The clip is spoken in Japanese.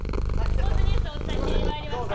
スポーツニュースをお伝えしにまいりました。